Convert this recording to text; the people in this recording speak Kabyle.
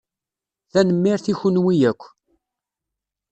Tanemmirt i kenwi akk.